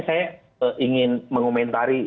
saya ingin mengomentari